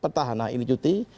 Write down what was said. pertahanan ini cuti